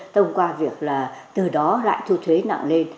thông qua việc là từ đó lại thu thuế nặng lên